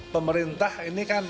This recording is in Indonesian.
pemerintah ini kan